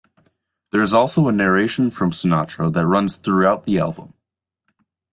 There is also a narration from Sinatra that runs throughout the album.